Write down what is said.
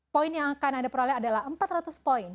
poin yang akan anda peroleh adalah empat ratus poin